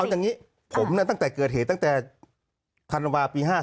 อย่างนี้ผมตั้งแต่เกิดเหตุตั้งแต่ธันวาปี๕๔